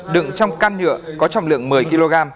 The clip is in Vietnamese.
đựng trong can nhựa có trọng lượng một mươi kg